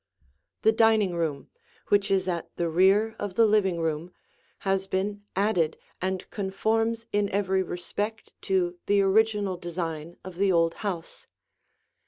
[Illustration: The Dining Room] The dining room, which is at the rear of the living room, has been added and conforms in every respect to the original design of the old house.